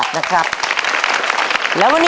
หนึ่งหมื่น